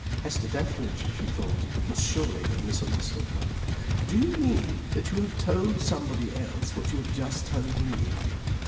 Hester Dethridge (she thought) must surely have misunderstood her. "Do you mean that you have told somebody else what you have just told me?"